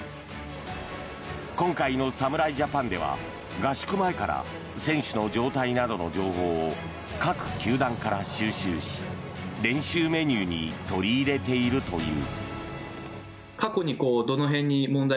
今回の侍ジャパンでは合宿前から選手の状態などの情報を各球団から収集し練習メニューに取り入れているという。